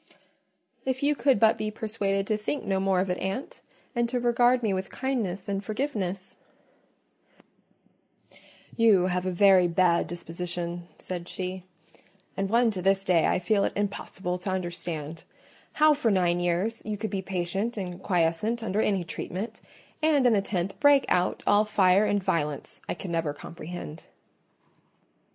"If you could but be persuaded to think no more of it, aunt, and to regard me with kindness and forgiveness——" "You have a very bad disposition," said she, "and one to this day I feel it impossible to understand: how for nine years you could be patient and quiescent under any treatment, and in the tenth break out all fire and violence, I can never comprehend."